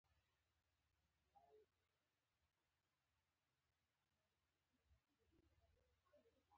په فلاني کال کې یې له لارډ نارت بروک سره کتلي وو.